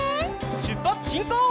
しゅっぱつしんこう！